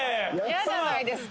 嫌じゃないですか？